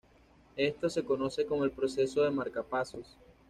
Esto se conoce como el Proceso de Marcapasos.